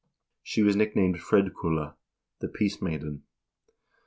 1 She was nicknamed Fredkulla (the peace maiden).